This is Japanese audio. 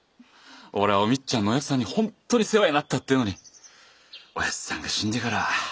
俺はお美津ちゃんのおやじさんに本当に世話になったってぇのにおやじさんが死んでからは。